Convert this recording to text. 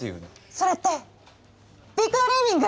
それってビッグドリーミング？